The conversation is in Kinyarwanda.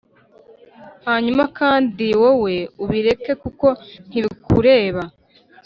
hanyuma kandi wowe ubireke kuko ntibikureba,